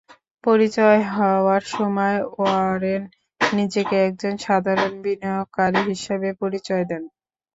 পরিচয় হওয়ার সময় ওয়ারেন নিজেকে একজন সাধারণ বিনিয়োগকারী হিসেবে পরিচয় দেন।